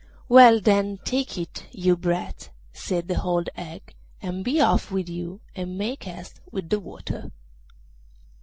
'Well, then, take it, you brat,' said the old hag, 'and be off with you, and make haste with the water.